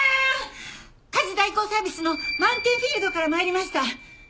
家事代行サービスのマウンテンフィールドから参りました。